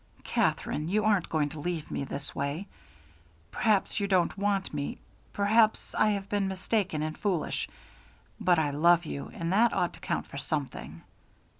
"Katherine, you aren't going to leave me this way. Perhaps you don't want me, perhaps I have been mistaken and foolish, but I love you, and that ought to count for something."